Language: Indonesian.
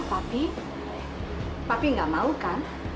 tapi papi gak mau kan